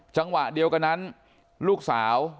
จังหวะเดียวกันนั้นลูกสาว